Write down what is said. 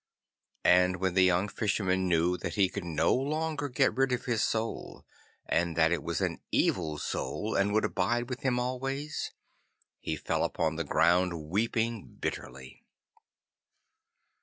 And when the young Fisherman knew that he could no longer get rid of his Soul, and that it was an evil Soul and would abide with him always, he fell upon the ground weeping bitterly.